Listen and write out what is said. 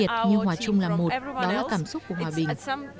điều đặc biệt như hòa chung là một đó là cảm xúc của hòa bình